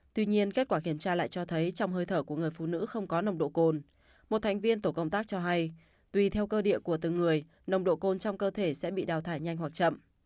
tuy nhiên kết quả kiểm tra lại cho thấy trong hơi thở của người phụ nữ không có nồng độ cồn một thành viên tổ công tác cho hay tùy theo cơ địa của từng người nồng độ cồn trong cơ thể sẽ bị đào thải nhanh hoặc chậm